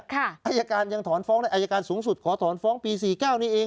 อายการยังถอนฟ้องในอายการสูงสุดขอถอนฟ้องปี๔๙นี้เอง